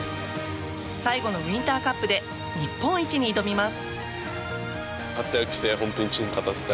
最後のウインターカップで日本一に挑みます。